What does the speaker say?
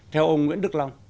theo ông nguyễn đức long